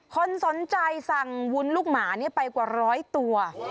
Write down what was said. คนสนใจสั่งวุ้นลูกหมาไปกว่าร้อยตัว